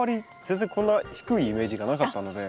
全然こんな低いイメージがなかったので。